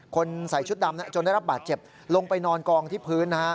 ใส่ชุดดำจนได้รับบาดเจ็บลงไปนอนกองที่พื้น